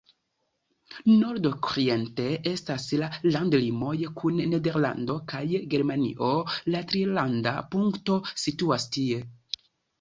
Nord-oriente estas la landlimoj kun Nederlando kaj Germanio, la trilanda punkto situas tie.